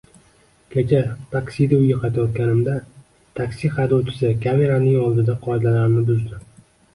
Kecha taksida uyga qaytayotganimda, taksi haydovchisi kameraning oldida qoidalarni buzdi